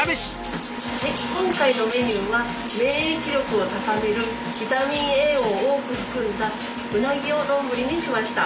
はい今回のメニューは免疫力を高めるビタミンＡを多く含んだうなぎを丼にしました。